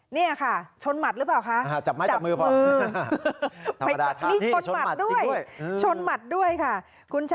นี่ค่ะชนหมัดหรือเปล่าคะ